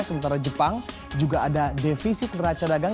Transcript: sementara jepang juga ada defisit neraca dagang